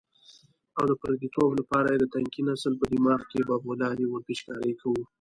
او د پردیتوب لپاره یې د تنکي نسل په دماغ کې بابولالې ورپېچکاري کوو.